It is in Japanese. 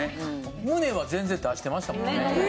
胸は全然出してましたもんね。